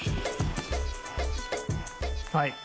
はい。